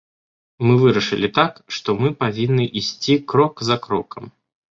Мы вырашылі так, што мы павінны ісці крок за крокам.